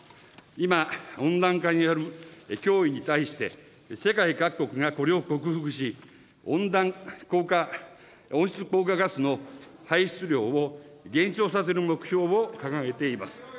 今、温暖化による脅威に対して、世界各国がこれを克服し、温暖化、温室効果ガスの排出量を減少させる目標を掲げています。